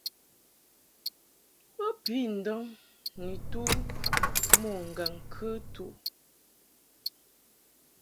Bo pi ndɔŋ ni tu mo ŋgaŋ-kɨtu.